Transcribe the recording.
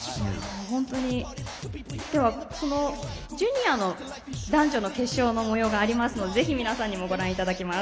では、ジュニアの男女の決勝のもようがありますのでぜひ皆さんにご覧いただきます。